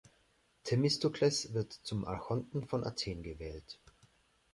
Themistokles wird zum Archonten von Athen gewählt.